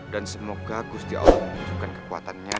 dan semoga gusti allah menunjukkan kekuatannya